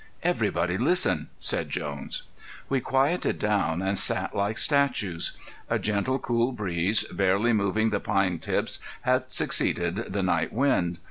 "Everybody listen," said Jones. We quieted down and sat like statues. A gentle, cool breeze, barely moving the pine tips, had succeeded the night wind.